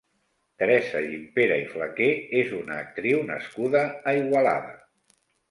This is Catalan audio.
Teresa Gimpera i Flaquer és una actriu nascuda a Igualada.